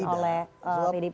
tidak sekali tidak